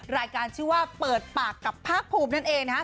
รายการชื่อว่าเปิดปากกับภาคภูมินั่นเองนะครับ